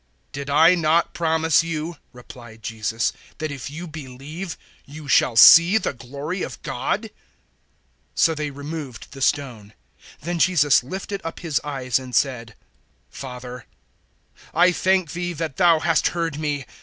011:040 "Did I not promise you," replied Jesus, "that if you believe, you shall see the glory of God?" 011:041 So they removed the stone. Then Jesus lifted up His eyes and said, "Father, I thank Thee that Thou hast heard me.